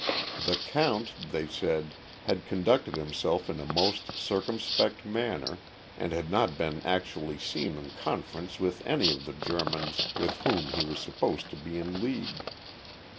The "count," they said, had conducted himself in a most circumspect manner and had not been actually seen in conference with any of the Germans with whom he was supposed to be in league.